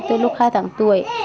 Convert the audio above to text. từ lúc hai tháng tuổi